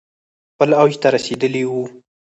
خپل اوج ته رسیدلي ؤ